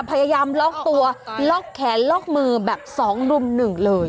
พยายามล็อกตัวล็อกแขนล็อกมือแบบ๒รุ่มหนึ่งเลย